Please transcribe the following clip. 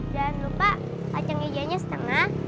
jangan lupa kacang mejanya setengah